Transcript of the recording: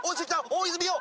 大泉洋